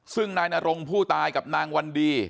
ซึ่งนายนรงผู้ตายกับนางวันดี